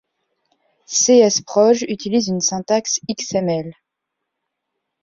Csproj utilise une syntaxe xml.